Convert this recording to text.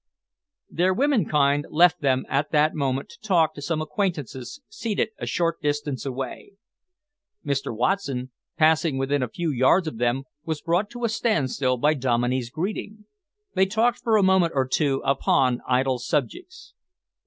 Their womenkind left them at that moment to talk to some acquaintances seated a short distance way. Mr. Watson, passing within a few yards of them, was brought to a standstill by Dominey's greeting. They talked for a moment or two upon idle subjects.